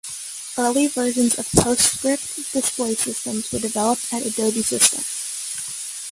Early versions of PostScript display systems were developed at Adobe Systems.